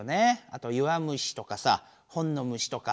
あと弱虫とかさ本の虫とか。